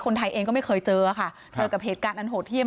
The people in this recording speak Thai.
คนไทยเองก็ไม่เคยเจอค่ะเจอกับเหตุการณ์อันโหดเที่ย